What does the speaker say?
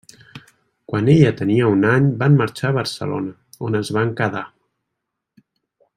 Quan ella tenia un any van marxar a Barcelona, on es van quedar.